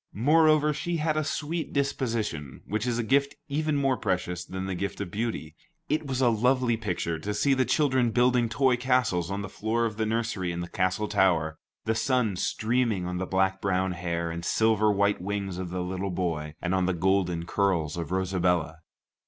Moreover, she had a sweet disposition, which is a gift even more precious than the gift of beauty. It was a lovely picture to see the children building toy castles on the floor of the nursery in the castle tower, the sun streaming on the black brown hair and silver white wings of the little boy, and on the golden curls of Rosabella.